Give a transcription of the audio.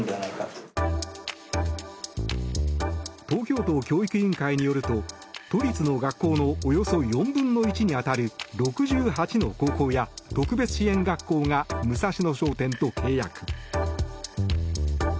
東京都教育委員会によると都立の学校のおよそ４分の１に当たる６８の高校や特別支援学校がムサシノ商店と契約。